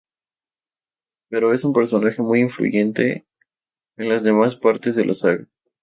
Pero es un personaje muy influyente en las demás partes de la saga.